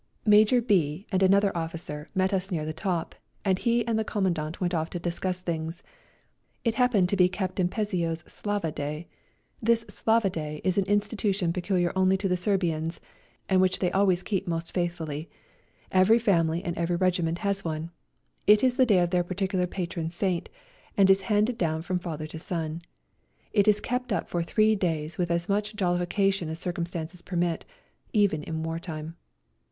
Major B and another officer met us A RIDE TO KALABAC 57 near the top, and he and the Commandant went off to discuss things. It happened to be Captain Pesio's " Slava " day. This " Slava " day is an institution peculiar only to the Serbians, and which they always keep most faithfully. Every family and every regiment has one. It is the day of their particular patron saint, and is handed down from father to son. It is kept up for three days with as much jollification as circumstances permit, even in wartime.